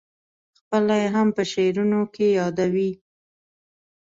خپله یې هم په شعرونو کې یادوې.